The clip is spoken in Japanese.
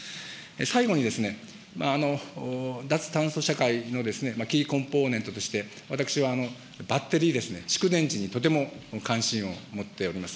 最後に脱炭素社会のキーコンポーネントとして、私はバッテリー、蓄電池にとても関心を持っております。